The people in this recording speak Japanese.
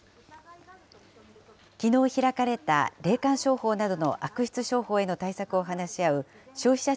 きのう開かれた霊感商法などの悪質商法への対策を話し合う消費者